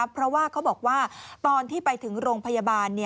เพราะว่าเขาบอกว่าตอนที่ไปถึงโรงพยาบาล